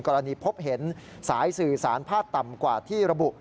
พบเห็นสายสื่อสารภาพต่ำกว่าที่ระบุ